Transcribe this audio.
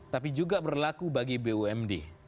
tapi juga berlaku bagi bumd